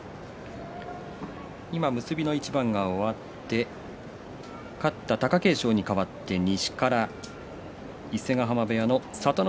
今、結びの一番が終わって勝った貴景勝に代わって西から伊勢ヶ濱部屋の聡ノ